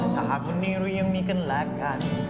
ถ้าหากวันนี้เรายังมีกันและกัน